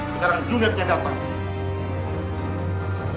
sekarang junet yang datang